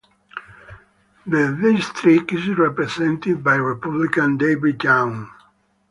The district is represented by Republican David Young.